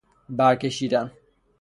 برکشیدن